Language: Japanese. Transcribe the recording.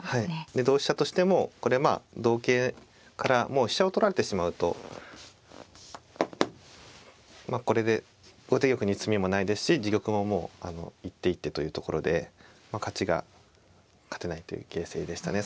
で同飛車としてもこれはまあ同桂からもう飛車を取られてしまうとこれで後手玉に詰みもないですし自玉ももう一手一手というところで勝ちが勝てないという形勢でしたね。